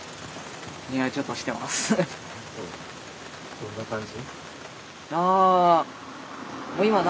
どんな感じ？